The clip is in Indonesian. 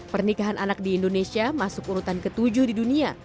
pernikahan anak di indonesia masuk urutan ke tujuh di dunia